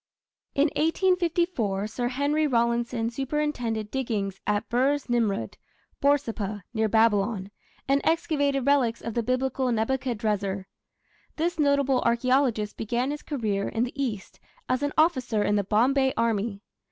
In 1854 Sir Henry Rawlinson superintended diggings at Birs Nimrud (Borsippa, near Babylon), and excavated relics of the Biblical Nebuchadrezzar. This notable archaeologist began his career in the East as an officer in the Bombay army.